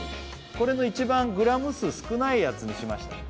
これの一番グラム数少ないやつにしました